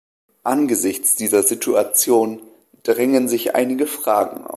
Angesichts dieser Situation drängen sich einige Fragen auf.